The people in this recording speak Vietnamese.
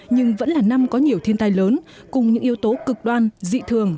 nhưng vẫn là năm có nhiều thiên tai lớn cùng những yếu tố cực đoan dị thường